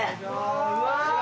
うわ！